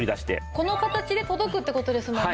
この形で届くって事ですもんね。